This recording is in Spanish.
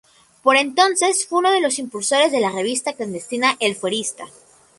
Por entonces fue uno de los impulsores de la revista clandestina "El Fuerista.